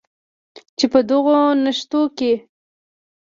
چې په دغو نښتو کې